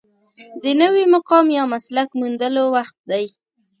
د نوي مقام یا مسلک موندلو وخت دی.